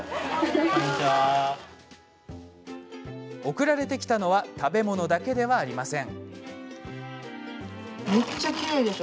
送られてきたのは食べ物だけではありません。